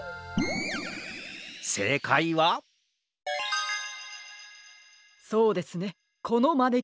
せいかいはそうですねこのまねきねこです。